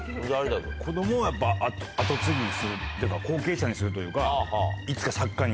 子どもはやっぱり後継ぎにするというか、後継者にするというか、いつか作家に。